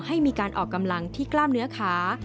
ให้มีการออกกำลังที่กล้ามเนื้อขา